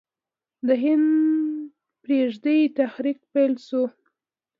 د هند پریږدئ تحریک پیل شو.